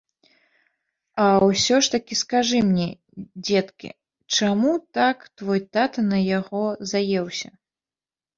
А ўсё ж такі, скажы мне, дзеткі, чаму так твой тата на яго заеўся?